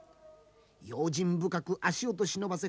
用心深く足音忍ばせ